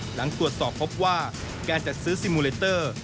หลังตรวจสอบพบว่าการจัดซื้อซิมูเลเตอร์